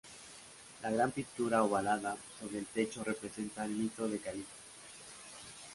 La gran pintura ovalada sobre el techo representa el mito de Calisto.